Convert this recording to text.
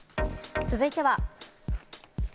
続いては。